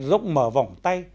rộng mở vòng tay